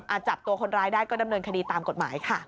จับตัวคนร้ายได้ก็ดำเนินคดีตามกฎหมายค่ะ